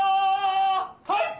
はい！